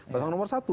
pasangan nomor satu